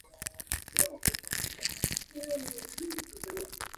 El Ponto pasó a controlar Capadocia, Bitinia y la provincia romana de Asia.